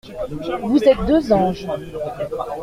Vous êtes deux anges.